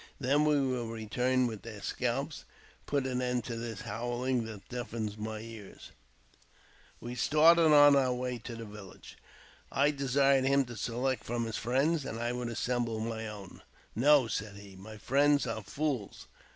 Then we will return with their scalps, and put an end to this howling that deafens my ears." p JAMES P. BECKWOURTH. 267 We started on our way to the village. I desired him to select from his friends, and I would assemble my own. " No," said he, " my friends are fools.